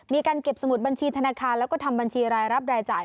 มีการเก็บสมุดบัญชีธนาคารแล้วก็ทำบัญชีรายรับรายจ่าย